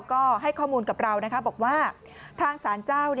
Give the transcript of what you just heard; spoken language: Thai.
ก็ให้ข้อมูลกับเราบอกว่าทางสารเจ้า